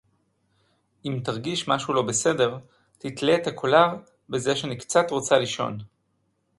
אִם תַרְגִיש מַשֶהוּ לֹא בְּסֵדֶר – תִתְלֶה אֶת הַקוֹלָר בְּזֶה שֶאֲנִי קְצָת רוֹצָה לִישוֹן.